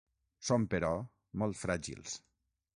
Són però, molt fràgils.